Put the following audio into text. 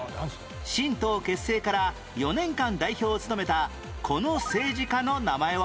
新党結成から４年間代表を務めたこの政治家の名前は？